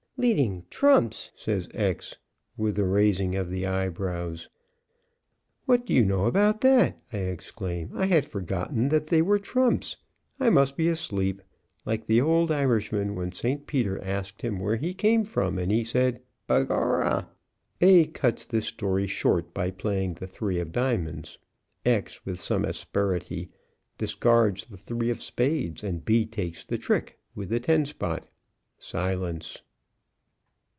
"Leading trumps," says X with a raising of the eyebrows. "What do you know about that!" I exclaim. "I had forgotten that they were trumps. I must be asleep. Like the old Irishman when St. Peter asked him where he came from, and he said: 'Begorra '" A cuts this story short by playing the 3 of diamonds; X, with some asperity, discards the 3 of spades, and B takes the trick with the 10 spot. Silence.